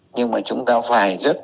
nhưng mà chúng ta phải rất